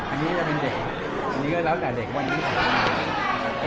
อันนี้ก็จะเป็นเด็กแล้วแต่เด็กวันนี้ค่ะ